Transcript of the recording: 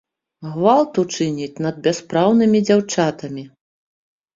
Гвалт учыніць над бяспраўнымі дзяўчатамі!